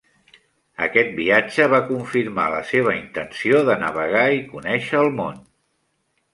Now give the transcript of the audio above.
Aquest viatge va confirmar la seva intenció de navegar i conèixer el món.